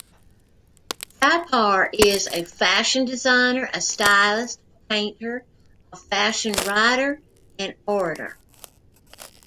Thapar is a fashion designer, a stylist, a painter, a fashion writer and orator.